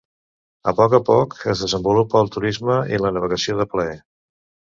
A poc a poc, es desenvolupa el turisme i la navegació de plaer.